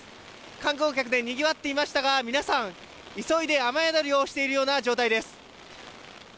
観光客でにぎわっていましたが皆さん、急いで雨宿りをしているような状態です。